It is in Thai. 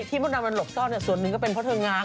มดดำมันหลบซ่อนส่วนหนึ่งก็เป็นเพราะเธอง้าง